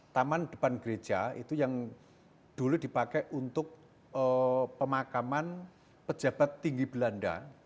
taman depan gereja itu yang dulu dipakai untuk pemakaman pejabat tinggi belanda